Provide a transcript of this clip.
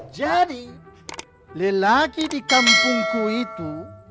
jadi lelaki di kampungku itu